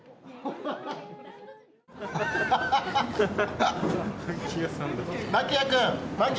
ハハハッ！